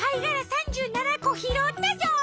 ３７こひろったぞ！